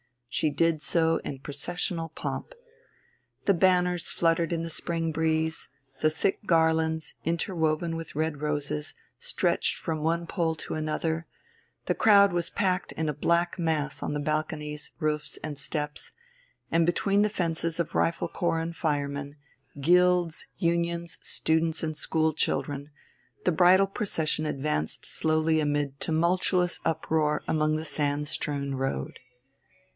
She did so in processional pomp. The banners fluttered in the spring breeze, the thick garlands, interwoven with red roses, stretched from one pole to another, the crowd was packed in a black mass on the balconies, roofs, and steps; and between the fences of rifle corps and firemen, guilds, unions, students, and school children, the bridal procession advanced slowly amid tumultuous uproar along the sand strewn road.